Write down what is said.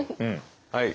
はい。